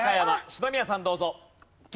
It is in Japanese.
篠宮さんどうぞ。